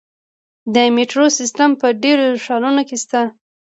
د میټرو سیستم په ډیرو ښارونو کې شته.